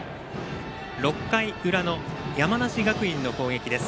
６回裏の山梨学院の攻撃です。